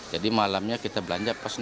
jadi malamnya kita belanja pas naik